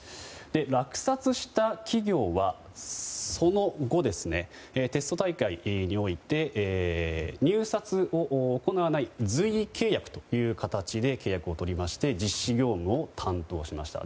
落札した企業は、その後テスト大会において入札を行わない随意契約という形で契約をとりまして実施業務を担当しました。